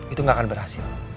itu gak akan berhasil